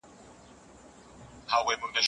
پلار به ماښام ملګرو ته ولاړ شي.